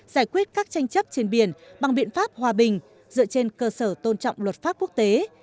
giải quyết các tranh chấp trên biển bằng biện pháp hòa bình dựa trên cơ sở tôn trọng luật pháp quốc tế